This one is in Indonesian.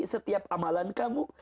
setiap amalan kamu